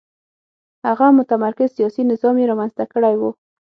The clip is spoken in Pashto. هغه متمرکز سیاسي نظام یې رامنځته کړی و.